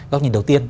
góc nhìn đầu tiên